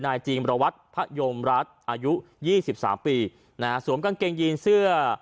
นายจีงบรวจพะยมรัฐอายุ๒๓ปีสวมกางเกงยีนเสื้อ